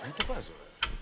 それ。